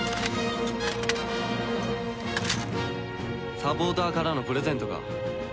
サポーターからのプレゼントか。